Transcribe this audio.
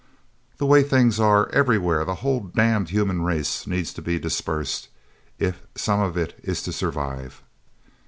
The way things are, everywhere, the whole damned human race needs to be dispersed if some of it is to survive!"